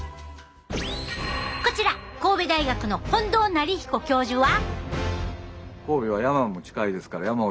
こちら神戸大学の近藤徳彦教授は？